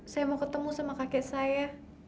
saya mau ketemu sama kakek saya